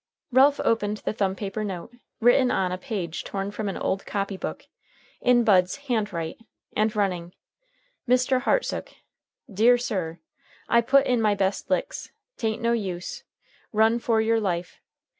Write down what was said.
Ralph opened the thumb paper note, written on a page torn from an old copy book, in Bud's "hand write" and running: "Mr. Heartsook "deer Sur: "I Put in my best licks, taint no use. Run fer yore life.